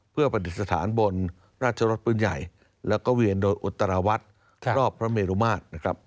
เพื่อประดิษฐานบนราชรสปืนใหญ่แล้วก็เวียนโดยอุตราวัดรอบพระเมรุมาตรนะครับ